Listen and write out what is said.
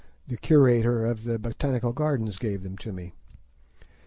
The curator of the botanical gardens gave them to me.